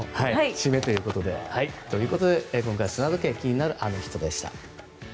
締めということで。ということで今回は砂時計気になるアノ人でした。